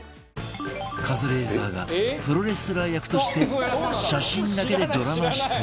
カズレーザーがプロレスラー役として写真だけでドラマ出演